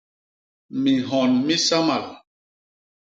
Minhon misamal.